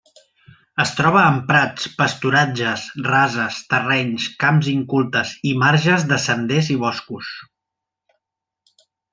Es troba en prats, pasturatges, rases, terrenys, camps incultes i marges de senders i boscos.